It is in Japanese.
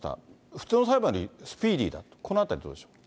普通の裁判よりスピーディーだと、このあたりはどうですか。